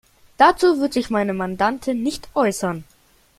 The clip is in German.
Dazu wird sich meine Mandantin nicht äußern.